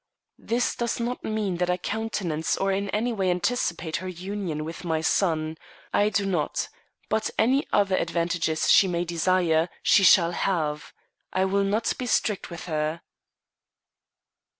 This does not mean that I countenance or in any way anticipate her union with my son. I do not; but any other advantages she may desire, she shall have. I will not be strict with her."